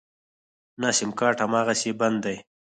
نه سيمکارټ امغسې بند دی.